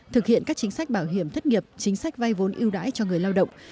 thực hiện các chính sách bảo hiểm thất nghiệp chính sách vay vốn ưu đãi cho người lao động